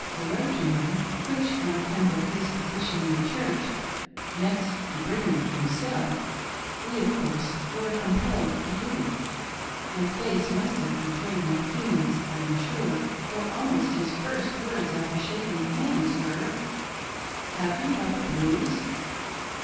the road to him, — which on account of his position in the Church — next to Brigham himself — we, of course, were compelled to do, — my face must have betrayed my feelings I am sure, for almost his first words after shaking hands were :" Have you got the blues